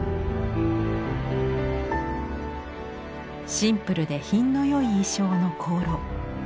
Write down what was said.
シンプルで品の良い意匠の香炉。